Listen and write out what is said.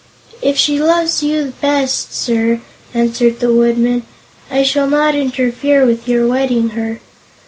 "If she loves you best, sir," answered the Woodman, "I shall not interfere with your wedding her.